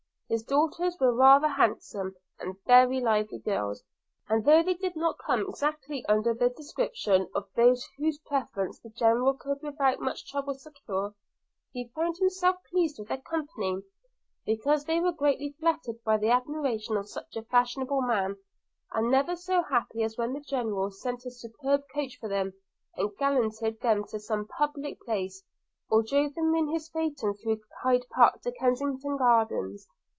His daughters were rather handsome, and very lively girls; and though they did not come exactly under the description of those whose preference the General could without much trouble secure, he found himself pleased with their company, because they were greatly flattered by the admiration of such a fashionable man, and never so happy as when the General sent his superb coach for them, and gallanted them to some public place, or drove them in his phaeton through Hyde Park to Kensington Gardens.